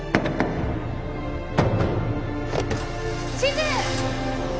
地図！